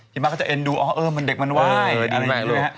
พี่ม้าก็จะเอ็นดูเออเด็กมันไหว้